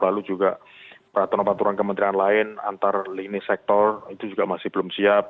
lalu juga peraturan peraturan kementerian lain antar lini sektor itu juga masih belum siap